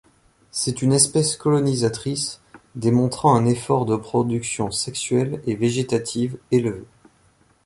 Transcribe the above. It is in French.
C'est une espèce colonisatrice démontrant un effort de reproduction sexuelle et végétative élevé.